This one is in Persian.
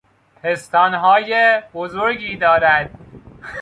پستانهای بزرگی دارد